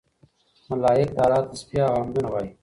ملائک د الله تسبيح او حمدونه وايي